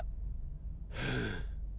フゥ。